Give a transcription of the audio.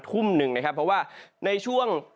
ทุ่มหนึ่งนะครับเพราะว่าในช่วง